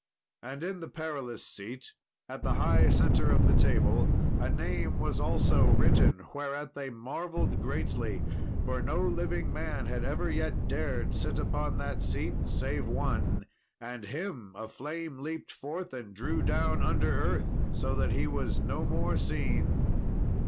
And in the Perilous Seat, at the high centre of the table, a name was also written, whereat they marvelled greatly, for no living man had ever yet dared sit upon that seat, save one, and him a flame leaped forth and drew down under earth, so that he was no more seen.